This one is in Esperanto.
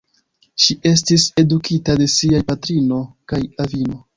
Ŝi estis edukita de siaj patrino kaj avino.